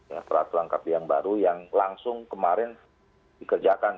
ya terhadap langkah piang baru yang langsung kemarin dikerjakan